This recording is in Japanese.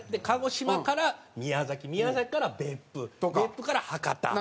鹿児島から宮崎宮崎から別府別府から博多。